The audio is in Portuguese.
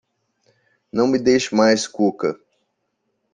Não me deixe mais, Cuca!